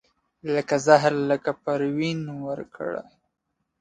لکه زهره لکه پروین ورکړه